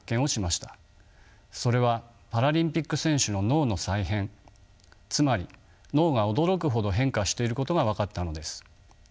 それはパラリンピック選手の「脳の再編」つまり脳が驚くほど変化していることが分かったのです。